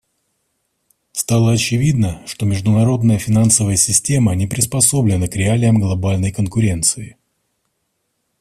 Стало очевидно, что международная финансовая система не приспособлена к реальностям глобальной конкуренции.